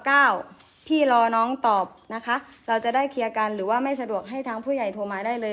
พี่รอน้องตอบนะคะเราจะได้เคลียร์กันหรือว่าไม่สะดวกให้ทางผู้ใหญ่โทรมาได้เลย